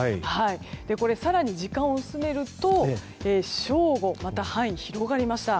更に時間を進めると正午、また広がりました。